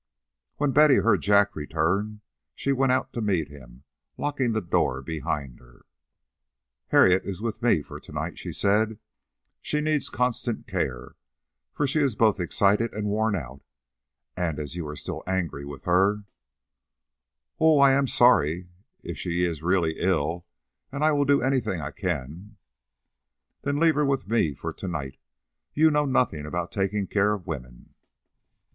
When Betty heard Jack return, she went out to meet him, locking the door behind her. "Harriet is with me for to night," she said. "She needs constant care, for she is both excited and worn out; and as you still are angry with her " "Oh, I am sorry if she is really ill, and I will do anything I can " "Then leave her with me for to night. You know nothing about taking care of women."